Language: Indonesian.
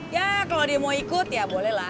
ya kalo dia mau ikut ya boleh lah